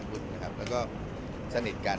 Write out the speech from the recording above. มันเป็นแบบที่สุดท้ายแต่มันเป็นแบบที่สุดท้าย